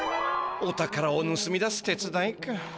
お宝をぬすみ出す手つだいか。